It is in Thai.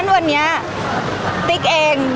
พี่ตอบได้แค่นี้จริงค่ะ